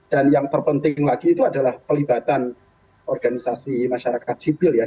dan yang terpenting lagi itu adalah pelibatan organisasi masyarakat sipil ya